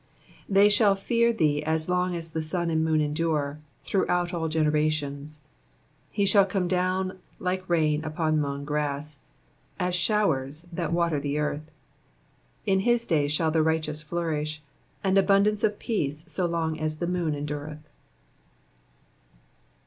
5 They shall fear thee as long as the sun and moon endure, throughout all generations. 6 He shall come down like rain upon the mown grass : as showers //ml water the earth. 7 In his days shall the righteous flourish ; and abundance of peace so long as the moon endureth.